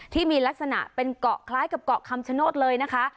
ที่มีลักษณะเป็นเกาะคล้ายกับเกาะคำชโนธเลยนะคะ